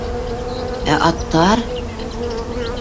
Ә аттар?!